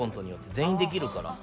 全員できるから。